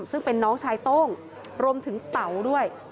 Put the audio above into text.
ซึ่งเป็นน้องชายโต้งรวมถึงเต๋าด้วย